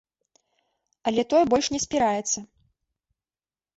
Але той больш не спіраецца.